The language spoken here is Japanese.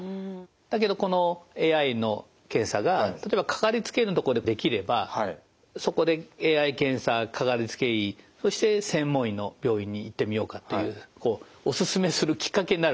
だけどこのＡＩの検査が例えば掛かりつけ医のところでできればそこでＡＩ検査掛かりつけ医そして専門医の病院に行ってみようかっていうこうお勧めするきっかけになるわけですよね。